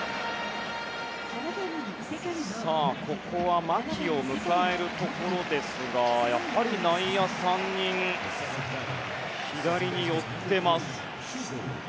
ここは牧を迎えるところですがやはり内野３人が左に寄ってます。